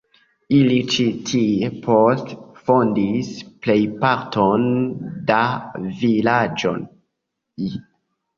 Ili ĉi tie poste fondis plejparton da vilaĝoj.